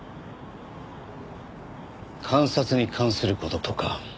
監察に関する事とか。